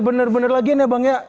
benar benar lagi ya bangnya